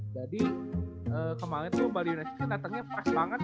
jadi kemaren tuh bali united datangnya fresh banget